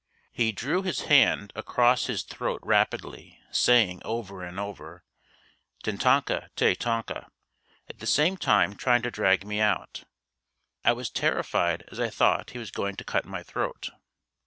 He drew his hand across his throat rapidly saying over and over, "Tetonka te tonka," at the same time trying to drag me out. I was terrified as I thought he was going to cut my throat.